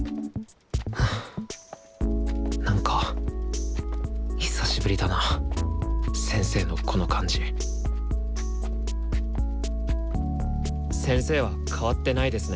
なんか久しぶりだな先生のこの感じ先生は変わってないですね。